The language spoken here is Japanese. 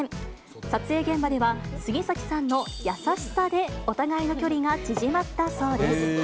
撮影現場では杉咲さんの優しさで、お互いの距離が縮まったそうです。